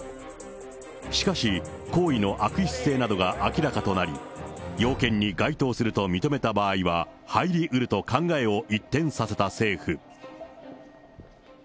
しかし、行為の悪質性などが明らかとなり、要件に該当すると認めた場合は入りうると考えを一転させた政府。